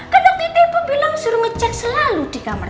kan nanti ibu bilang suruh ngecek selalu di kamar